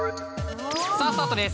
さぁスタートです